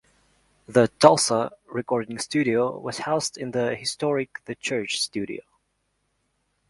The Tulsa recording studio was housed in the historic The Church Studio.